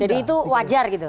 jadi itu wajar gitu